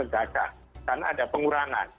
itu aku yang saber itu